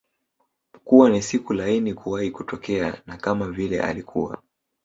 kuwa ni siku laini kuwahi kutokea na kama vile alikuwa